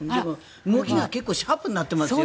動きが結構シャープになってますよ。